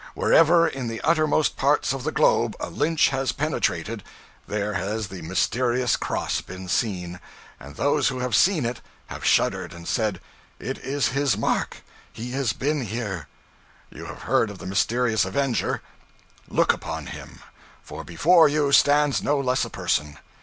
Wherever in the uttermost parts of the globe, a Lynch has penetrated, there has the Mysterious Cross been seen, and those who have seen it have shuddered and said, "It is his mark, he has been here." You have heard of the Mysterious Avenger look upon him, for before you stands no less a person!